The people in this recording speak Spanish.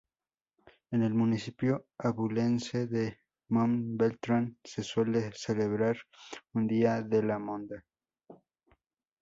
En el municipio abulense de Mombeltrán se suele celebrar un Día de la Monda.